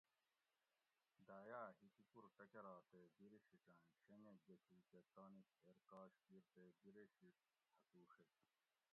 دایہ ہکوکور ٹکرا تے بِرے شِٹیں شینگہ گۤشوکہ تانی تھیر کاش کیر تے بِرے شِیٹ ہسوڛیت